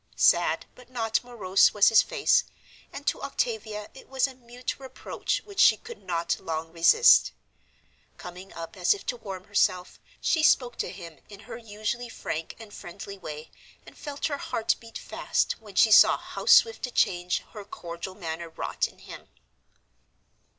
Sad but not morose was his face, and to Octavia it was a mute reproach which she could not long resist. Coming up as if to warm herself, she spoke to him in her usually frank and friendly way, and felt her heart beat fast when she saw how swift a change her cordial manner wrought in him.